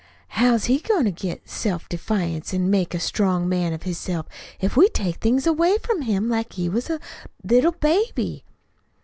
How's he goin' to get self defiance an' make a strong man of hisself if we take things away from him like he was a little baby?"